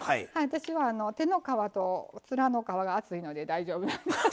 私は手の皮と面の皮が厚いので大丈夫なんです。